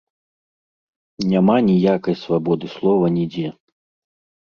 Няма ніякай свабоды слова нідзе.